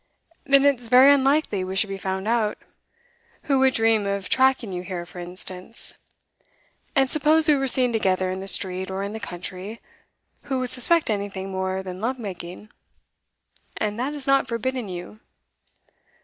'Then it's very unlikely we should be found out. Who would dream of tracking you here, for instance? And suppose we were seen together in the street or in the country, who would suspect anything more than love making? and that is not forbidden you.